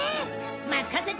任せて！